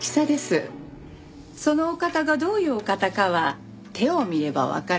そのお方がどういうお方かは手を見ればわかる。